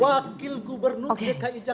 wakil gubernur dki jakarta